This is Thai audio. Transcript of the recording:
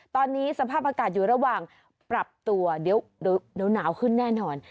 ตอนนี้สภาพอากาศอยู่ระหว่างปรับตัวเดี๋ยวหนาวขึ้นแน่นอน